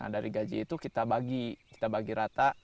dari gaji itu kita bagi rata